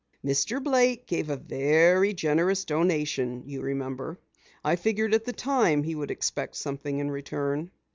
"Mr. Blake gave a very generous donation, you remember. I figured at the time he would expect something in return."